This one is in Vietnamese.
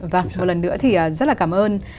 và một lần nữa thì rất là cảm ơn